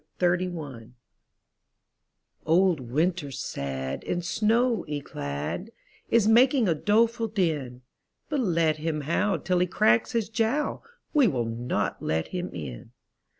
OUR WINTER Old Winter sad, in snow yclad, Is making a doleful din; But let him howl till he cracks his jowl, We will not let him in.